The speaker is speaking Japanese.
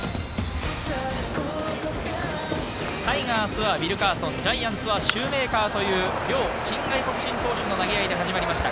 タイガースはウィルカーソン、ジャイアンツはシューメーカーという両新外国人投手の投げ合いで始まりました